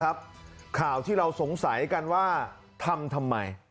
ข่าวที่เราสงสัยกันว่าทำทำไม